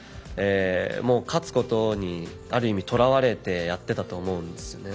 もう勝つことにある意味とらわれてやってたと思うんですよね。